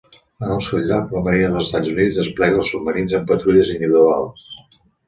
En el seu lloc, la Marina dels Estats Units desplega els submarins en patrulles individuals.